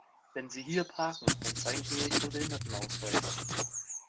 Wenn Sie hier parken, dann zeigen Sie mir Ihren Behindertenausweis!